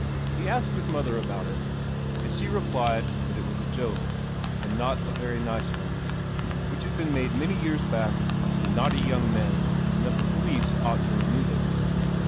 He asked his mother about it, and she replied that it was a joke, and not a very nice one, which had been made many years back by some naughty young men, and that the police ought to remove it.